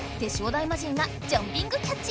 大魔神がジャンピングキャッチ！